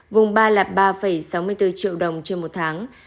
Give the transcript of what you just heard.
vùng ba là ba sáu mươi bốn triệu đồng trên một tháng